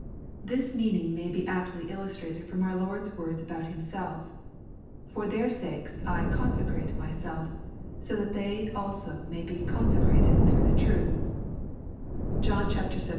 This meaning may be aptly illustrated from our Lord's words about Himself :" For their sakes I consecrate Myself, that they also may be consecrated through the truth " (John xvii.